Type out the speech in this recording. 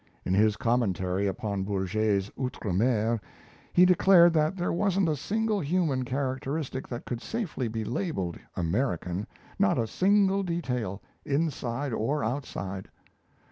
In his commentary upon Bourget's 'Outre Mer', he declared that there wasn't a single human characteristic that could safely be labelled "American" not a single human detail, inside or outside.